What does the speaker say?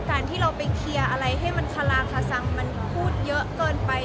การที่เราไปเคลียร์อะไรให้มันคลางคสังมันพูดเยอะเกินไป